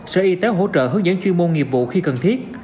sở y tế hỗ trợ hướng dẫn chuyên môn nghiệp vụ khi cần thiết